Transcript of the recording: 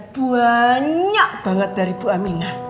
buaaanyak banget dari bu aminah